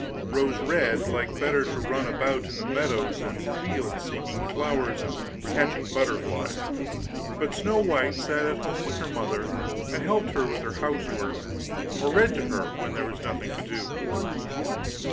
Rose red liked better to run about in the meadows and fields seeking flowers and catching butterflies; but Snow white sat at home with her mother, and helped her with her housework, or read to her when there was nothing to do.